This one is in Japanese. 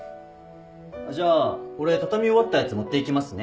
あっじゃあ俺畳み終わったやつ持っていきますね。